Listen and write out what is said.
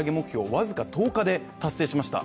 わずか１０日で達成しました